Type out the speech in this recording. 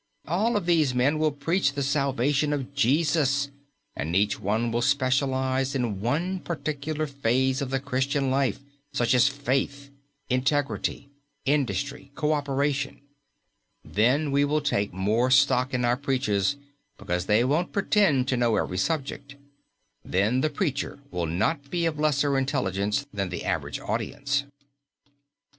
All of these men will preach the salvation of Jesus, but each one will specialize in one particular phase of the Christian life, such as Faith, Integrity, Industry, Coöperation. Then we will take more stock in our preachers because they won't pretend to know every subject. Then the preacher will not be of lesser intelligence than the average audience.